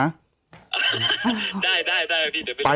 ได้พี่เดี๋ยวไป